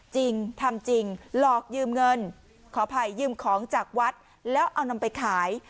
จริงทำจริงหลอกยืมเงินขออภัยยืมของจากวัดแล้วเอานำไปขาย